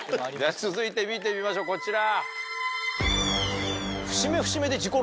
続いて見てみましょうこちら。